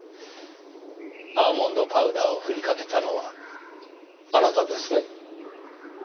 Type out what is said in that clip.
アーモンドパウダーをふりかけたのはあなたですね？